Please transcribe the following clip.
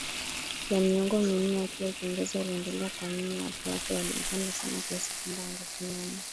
ya miongo minne akiwa kiongozi aliendelea kuamini watu wake walimpenda sana kiasi kwamba wangesimama